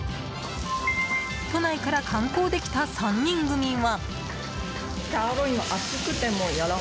都内から観光で来た３人組は。